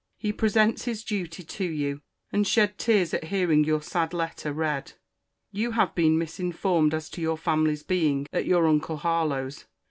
He presents his duty to you, and shed tears at hearing your sad letter read. You have been misinformed as to your family's being at your uncle Harlowe's.